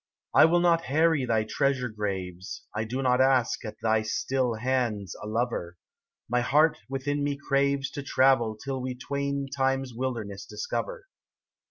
I will not harry thy treasure graves, I do not ask at thy still hands a lover ; My heart within me craves To travel till we twain Time's wilderness discover.